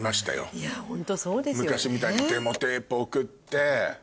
昔みたいにデモテープ送って。